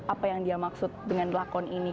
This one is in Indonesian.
apa yang dia maksud dengan lakon ini